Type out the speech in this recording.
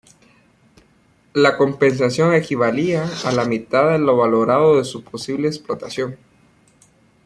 La compensación equivalía a la mitad de lo valorado de su posible explotación.